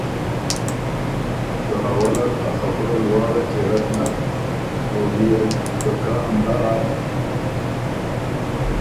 که اول ت ا خبُره لواړه چېړک نک او بيې ت که کان داک،